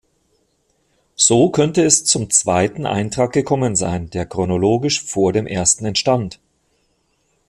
So könnte es zum zweiten Eintrag gekommen sein, der chronologisch vor dem ersten entstand.